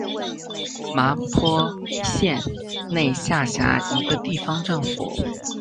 麻坡县内下辖一个地方政府。